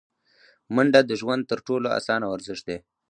منډه د ژوند تر ټولو اسانه ورزش دی